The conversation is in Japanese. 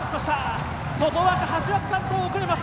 外枠８枠３頭遅れました。